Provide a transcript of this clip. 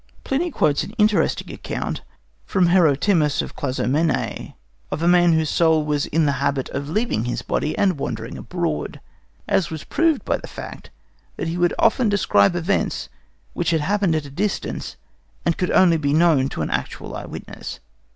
Pliny quotes an interesting account, from Hermotimus of Clazomenæ, of a man whose soul was in the habit of leaving his body and wandering abroad, as was proved by the fact that he would often describe events which had happened at a distance, and could only be known to an actual eyewitness.